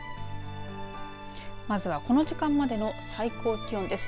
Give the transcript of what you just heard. まずはこの時間までの最高気温です。